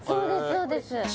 そうです